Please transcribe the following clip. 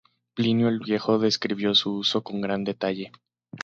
Plinio el Viejo describió su uso con gran detalle.